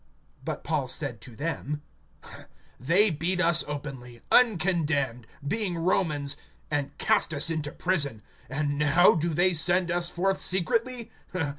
(37)But Paul said to them: They beat us openly, uncondemned, being Romans, and cast us into prison; and now do they send us forth secretly?